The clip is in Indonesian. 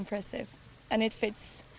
jadi ini sangat menarik